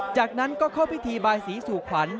จากนั้นก็เข้าพิธีบายสีสู่ขวัญ